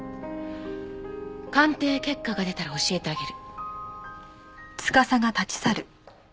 鑑定結果が出たら教えてあげる。